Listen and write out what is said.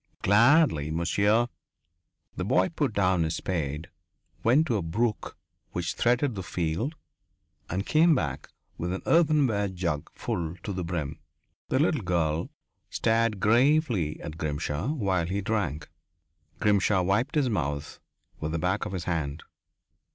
"Gladly, monsieur." The boy put down his spade, went to a brook which threaded the field and came back with an earthenware jug full to the brim. The little girl stared gravely at Grimshaw while he drank. Grimshaw wiped his mouth with the back of his hand.